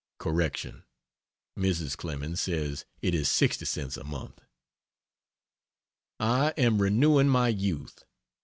(Correction. Mrs. Clemens says it is 60 cents a month.) I am renewing my youth.